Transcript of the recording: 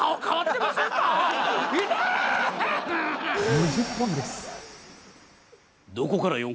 ２０本です。